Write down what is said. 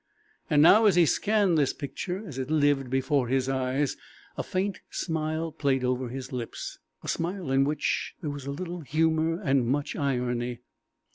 Now, as he scanned this picture, as it lived before his eyes, a faint smile played over his lips, a smile in which there was a little humour and much irony.